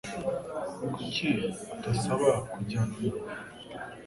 Kuki utasaba kujyana nawe